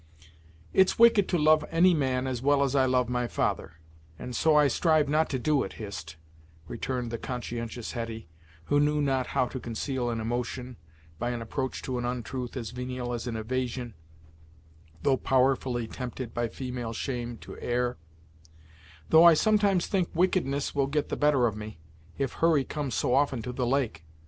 "It's wicked to love any man as well as I love my father, and so I strive not to do it, Hist," returned the conscientious Hetty, who knew not how to conceal an emotion, by an approach to an untruth as venial as an evasion, though powerfully tempted by female shame to err, "though I sometimes think wickedness will get the better of me, if Hurry comes so often to the lake.